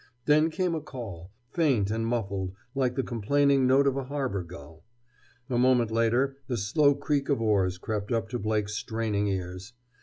Then came a call, faint and muffled, like the complaining note of a harbor gull. A moment later the slow creak of oars crept up to Blake's straining ears.